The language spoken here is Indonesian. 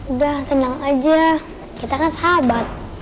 udah tenang aja kita kan sahabat